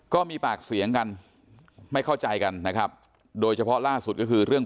ก็มีปากเสียงกันไม่เข้าใจกันนะครับโดยเฉพาะล่าสุดก็คือเรื่อง